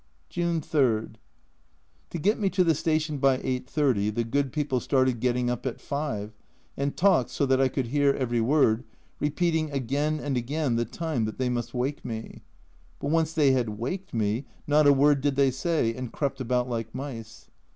172 A Journal from Japan June 3. To get me to the station by 8.30 the good people started getting up at 5, and talked so that I could hear every word, repeating again and again the time that they must wake me. But once they had "waked" me, not a word did they say, and crept about like mice.